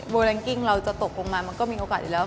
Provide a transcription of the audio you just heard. แรงกิ้งเราจะตกลงมามันก็มีโอกาสอยู่แล้ว